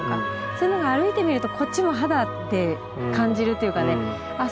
そういうのが歩いてみるとこっちも肌で感じるというかねああ